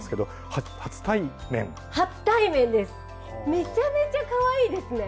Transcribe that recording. めちゃめちゃかわいいですね。